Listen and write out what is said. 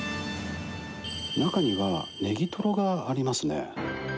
中にはネギトロがありますね。